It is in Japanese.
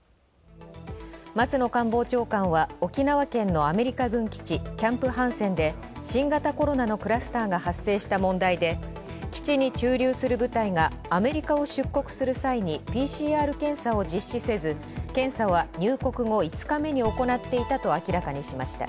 松野官房長官は、沖縄県のアメリカ軍基地キャンプ・ハンセンで、新型コロナのクラスターが発生した問題で基地に駐留する部隊が、アメリカを出国する際にＰＣＲ検査を実施せず、検査は入国後５日目に行っていたと明らかにしました。